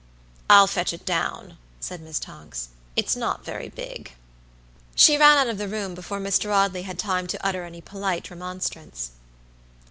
"I'll fetch it down," said Miss Tonks. "It's not very big." She ran out of the room before Mr. Audley had time to utter any polite remonstrance.